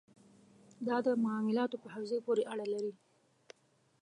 دا د معاملاتو په حوزې پورې اړه لري.